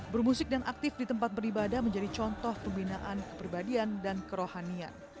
bermusik dan aktif di tempat beribadah menjadi contoh pembinaan kepribadian dan kerohanian